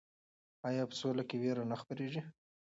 آیا په سوله کې ویره نه خپریږي؟